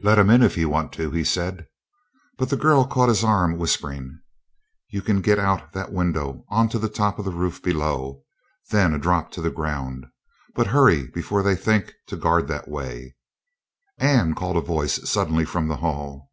"Let 'em in if you want to," he said. But the girl caught his arm, whispering: "You can get out that window onto the top of the roof below, then a drop to the ground. But hurry before they think to guard that way!" "Anne!" called a voice suddenly from the hall.